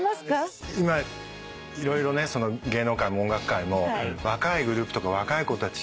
今色々ね芸能界も音楽界も若いグループとか若い子たちって